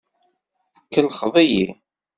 Tkellxeḍ-iyi.